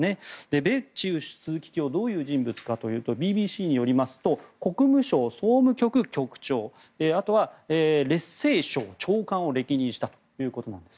ベッチウ枢機卿はどういう人物かというとＢＢＣによりますと国務省総務局局長あとは列聖省長官を歴任したということです。